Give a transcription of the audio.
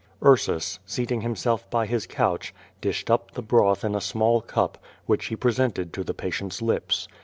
Ursus, seating himself by his couch, dished up the broth in a small cup, which he presented to the patient's lips.